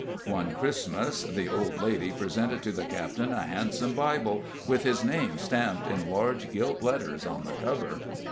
One Christmas, the old lady presented to the captain a handsome Bible, with his name stamped in large gilt letters on the cover.